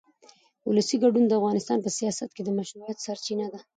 ولسي ګډون د افغانستان په سیاست کې د مشروعیت سرچینه ده